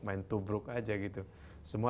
main tubruk aja gitu semua